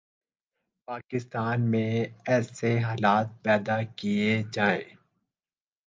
پاکستان میں ایسے حالات پیدا کئیے جائیں